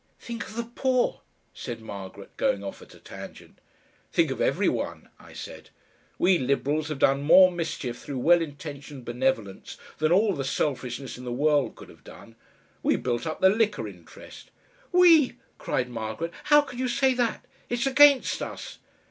"Think of the poor," said Margaret, going off at a tangent. "Think of every one," I said. "We Liberals have done more mischief through well intentioned benevolence than all the selfishness in the world could have done. We built up the liquor interest." "WE!" cried Margaret. "How can you say that? It's against us."